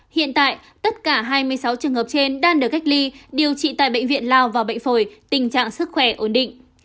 hiện tại tất cả hai mươi sáu trường hợp trên đang được cách ly điều trị tại bệnh viện lao và bệnh phổi tình trạng sức khỏe ổn định